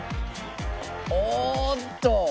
おっと！